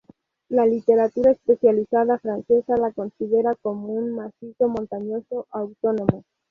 La literatura especializada francesa la considera como un "macizo montañoso" autónomo.